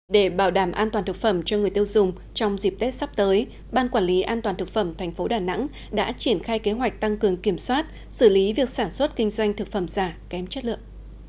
để bảo đảm an toàn thực phẩm cho người tiêu dùng trong dịp tết sắp tới ban quản lý an toàn thực phẩm thành phố đà nẵng đã triển khai kế hoạch tăng cường kiểm soát xử lý việc sản xuất kinh doanh thực phẩm giả kém chất lượng